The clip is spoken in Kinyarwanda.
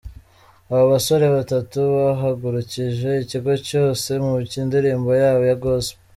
Aba basore batatu bahagurukije ikigo cyose mu ndirimbo yabo ya Gospel.